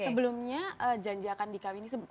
sebelumnya janji akan dikawini